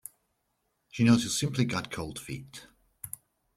She knows you simply got cold feet.